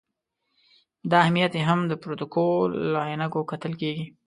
دا اهمیت یې هم د پروتوکول له عینکو کتل کېږي.